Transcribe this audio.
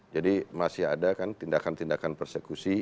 masih ada kan tindakan tindakan persekusi